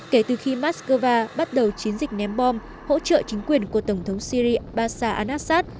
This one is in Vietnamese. kể từ khi moskova bắt đầu chiến dịch ném bom hỗ trợ chính quyền của tổng thống syri pasha al assad